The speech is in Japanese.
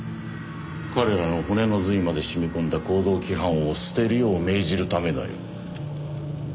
彼らの骨の随まで染み込んだ行動規範を捨てるよう命じるためだよ。